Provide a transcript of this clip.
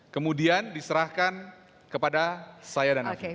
kemudian diserahkan kepada saya dan novi